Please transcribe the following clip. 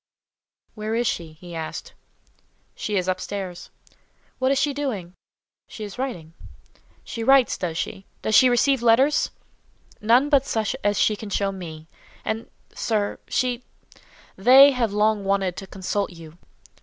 "Where is she?" he asked. "She is up stairs." "What is she doing?" "She is writing." "She writes, does she? Does she receive letters?" "None but such as she can show me. And—sir—she—they have long wanted to consult you."